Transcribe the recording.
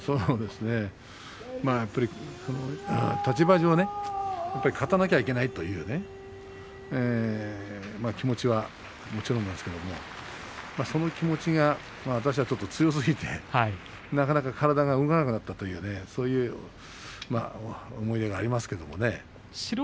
やっぱり立場上勝たなきゃいけないというね気持ちはもちろんですけれどもその気持ちが私はちょっと強すぎてなかなか体が動かなかったというそういう思い出がありますけれども。